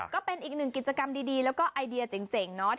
ก็เป็นอีกหนึ่งกิจกรรมดีแล้วก็ไอเดียเจ๋งเนาะ